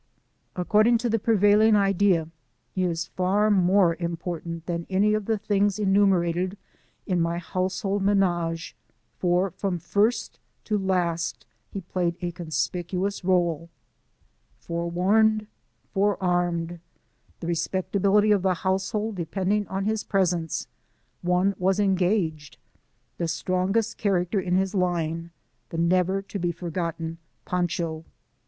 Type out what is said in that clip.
According to the prevailing idea, he is far more important than any of the things enumerated in niy household manage, for from first to last he played a conspicuous r6le. ■rTrHiHHo. I. Forewarned — forearmed! The respectability of the household depending on his presence ; one was engaged, the strongest character in his line — the never to be forgotten Pancho.